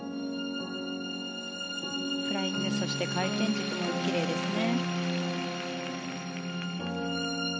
フライング、そして回転軸もきれいですね。